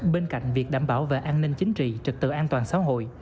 bên cạnh việc đảm bảo về an ninh chính trị trực tự an toàn xã hội